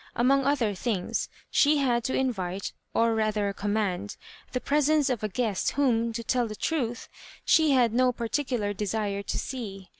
Among other things, she had to invite, or rather command, the pre sence of a guest whom, to tell the truth, she had no particular desire to see.